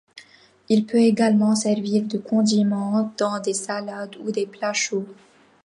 Il peut également servir de condiment dans des salades ou des plats chauds.